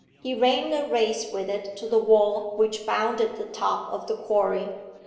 He ran a race with it to the wall which bounded the top of the quarry.